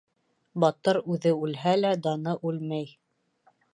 Батыр үҙе үлһә лә, даны үлмәй.